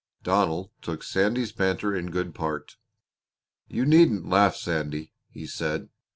Donald took Sandy's banter in good part. "You needn't laugh, Sandy," he said.